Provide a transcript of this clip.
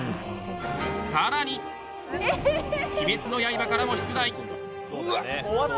更に「鬼滅の刃」からも出題。